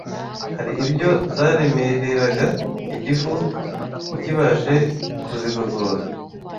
hari iryo zaremereraga igifu ntikibashe kuzigogora.